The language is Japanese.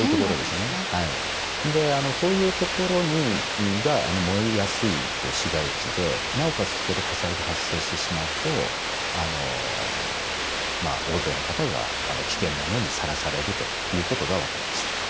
そういうところが燃えやすい市街地でなおかつ、そこで火災が発生してしまうと大勢の方が危険な目にさらされるということが分かりました。